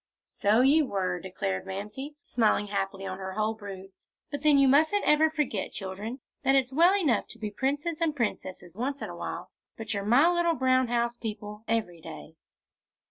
"So you were," declared Mamsie, smiling happily on her whole brood; "but then, you mustn't ever forget, children, that it's well enough to be princes and princesses once in a while, but you're my little brown house people every day."